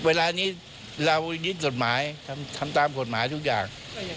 เวลานี้เรายึดกฎหมายทำตามกฎหมายทุกอย่าง